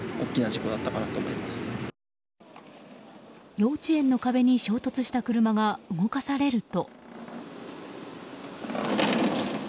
幼稚園の壁に衝突した車が動かされると。